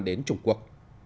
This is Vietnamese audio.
đến trung quốc